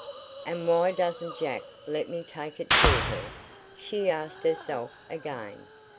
"And why doesn't Jack let me take it to her?" she asked herself again.